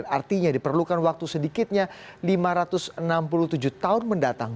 artinya diperlukan waktu sedikitnya lima ratus enam puluh tujuh tahun mendatang